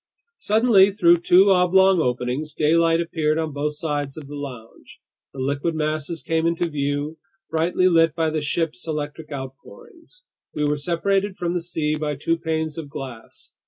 Suddenly, through two oblong openings, daylight appeared on both sides of the lounge. The liquid masses came into view, brightly lit by the ship's electric outpourings. We were separated from the sea by two panes of glass.